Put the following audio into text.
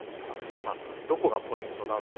どこがポイントなのか？